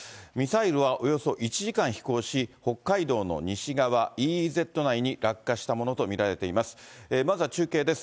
ミサイルはおよそ１時間飛行し、北海道の西側、ＥＥＺ内に落下したものと見られています。